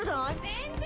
「全然」